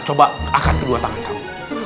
coba angkat kedua tangan kami